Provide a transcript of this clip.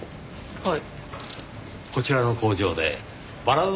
はい？